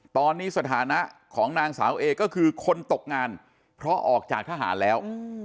ตอนนี้สถานะของนางสาวเอก็คือคนตกงานเพราะออกจากทหารแล้ว